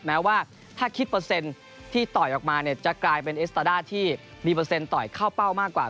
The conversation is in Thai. แม้ว่าถ้าคิดเปอร์เซ็นต์ที่ต่อยออกมาเนี่ยจะกลายเป็นเอสตาด้าที่มีเปอร์เซ็นต่อยเข้าเป้ามากกว่า